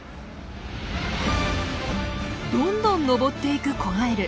どんどん登っていく子ガエル。